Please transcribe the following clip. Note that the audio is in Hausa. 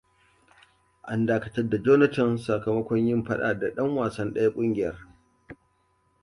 An dakatar da Jonathan sakamokn yin faɗa da ɗan wasan ɗaya ƙungiyar.